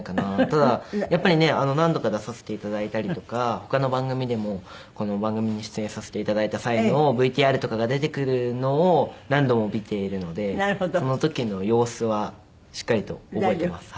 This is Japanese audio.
ただやっぱりね何度か出させて頂いたりとか他の番組でもこの番組に出演させて頂いた際のＶＴＲとかが出てくるのを何度も見ているのでその時の様子はしっかりと覚えています。